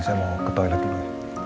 saya mau ke toilet dulu